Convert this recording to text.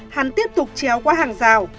hắn tiếp tục treo qua hàng rào